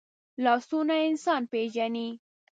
لاسونه انسان پېژني